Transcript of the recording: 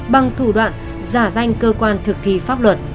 bằng thủ đoạn giả danh cơ quan thực thi pháp luật